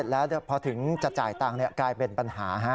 แล้วพอถึงจะจ่ายตังค์กลายเป็นปัญหา